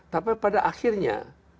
tapi pada akhirnya